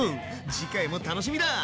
次回も楽しみだ！